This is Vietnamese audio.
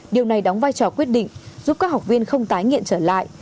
điều này đóng vai trò quyết định giúp các học viên không tái nghiện trở lại